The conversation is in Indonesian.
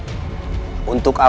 kau akan vetunkan